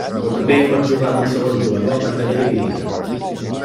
O també pots jugar amb un segon jugador a pantalla dividida.